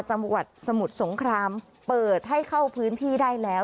จังหวัดสมุทรสงครามเปิดให้เข้าพื้นที่ได้แล้ว